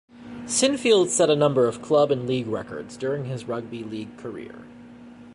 Sinfield set a number of club and league records during his rugby league career.